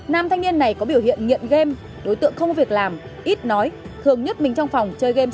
nam thanh niên này có biểu hiện nghiện game